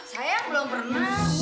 saya belum pernah